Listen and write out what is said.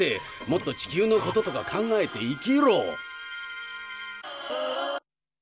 もっと地球のこととか考えて生きろ。